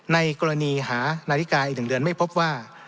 ในกรณีหานาฬิกาอีก๑เดือนไม่พบว่า